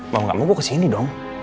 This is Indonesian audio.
mau gak mau gue kesini dong